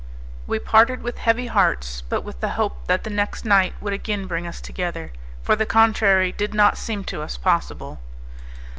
We parted with heavy hearts, but with the hope that the next night would again bring us together, for the contrary did not seem to us possible.